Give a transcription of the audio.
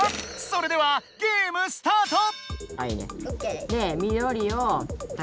それではゲームスタート！